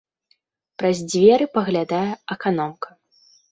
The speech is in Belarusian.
Праз дзверы паглядае аканомка.